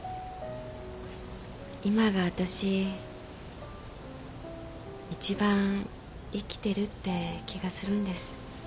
今がわたしいちばん生きてるって気がするんです。